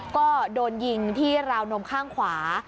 ก็โดนยิงที่ราวนมข้างขวา